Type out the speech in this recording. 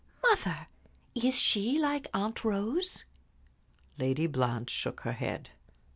Mother, is she like Aunt Rose?" Lady Blanche shook her head.